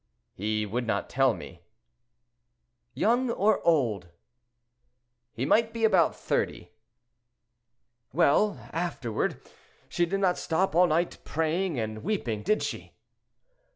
"He would not tell me." "Young or old?" "He might be about thirty." "Well, afterward? She did not stop all night praying and weeping, did she?"